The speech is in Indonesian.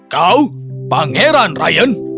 kau pangeran ryan